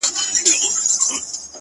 • ږغ ده محترم ناشناس صاحب,